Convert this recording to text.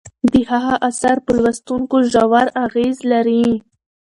د هغه اثار په لوستونکو ژور اغیز لري.